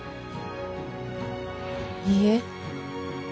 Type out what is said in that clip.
いいえ。